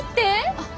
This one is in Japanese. あっ。